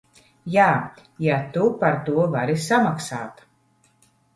Jā, ja tu par to vari samaksāt.